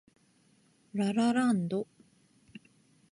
ラ・ラ・ランド